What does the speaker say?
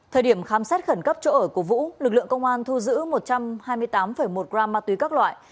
thời điểm khám xét khẩn cấp chỗ ở của vũ lực lượng công an thu giữ một trăm hai mươi tám một gram ma túy các loại